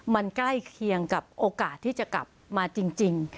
มันใกล้เคียงกับโอกาสที่จะกลับมาจริง